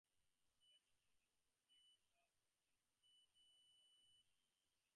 At Coatepeque the Guatemalans suffered a severe defeat, which was followed by a truce.